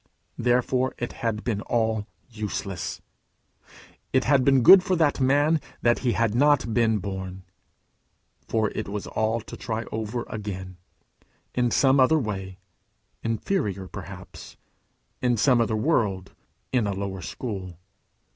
Therefore it had been all useless. "It had been good for that man if he had not been born;" for it was all to try over again, in some other way inferior perhaps, in some other world, in a lower school.